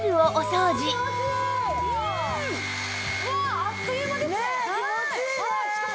あっという間でしたね。